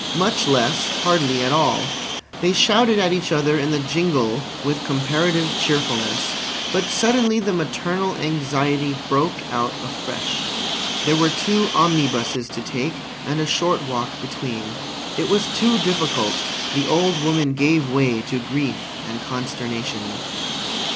Much less—hardly at all. They shouted at each other in the jingle with comparative cheerfulness. But suddenly the maternal anxiety broke out afresh. There were two omnibuses to take, and a short walk between. It was too difficult! The old woman gave way to grief and consternation.